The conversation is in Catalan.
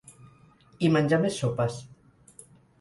I menjar més sopes.